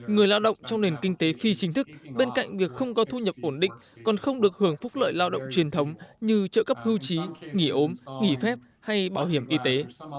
người lao động trong nền kinh tế phi chính thức bên cạnh việc không có thu nhập ổn định còn không được hưởng phúc lợi lao động truyền thống như trợ cấp hưu trí nghỉ ốm nghỉ phép hay bảo hiểm y tế